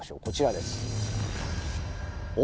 こちらです。